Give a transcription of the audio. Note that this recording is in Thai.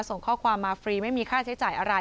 ส่งข้อความมาฟรีไม่มีค่าใช้จ่ายอะไร